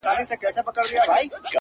دا خو ددې لپاره ـ